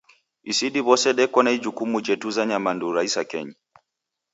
Isi diw'ose deko na ijukumu jetuza nyamandu ra isakenyi.